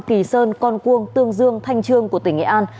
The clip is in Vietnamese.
kỳ sơn con cuông tương dương thanh trương của tỉnh nghệ an